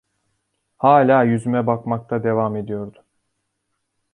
Hâlâ yüzüme bakmakta devam ediyordu.